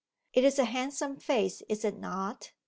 'It is a handsome face, is it not?